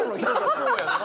そうやんな。